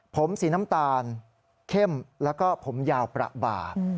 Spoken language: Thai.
ผมสีน้ำตาลเข้มแล้วก็ผมยาวประบาด